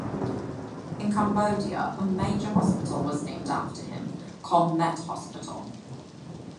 In Cambodia, a major hospital was named after him, Calmette Hospital.